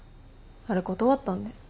あれ断ったんで。